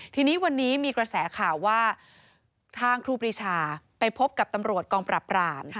ทีนี้วันนี้มีกระแสข่าวว่าทางครูปรีชาไปพบกับตำรวจกองปรับราม